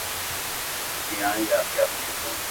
چي هره ورځ دي په سر اوښکو ډکومه.